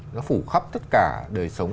nó phủ khắp tất cả đời sống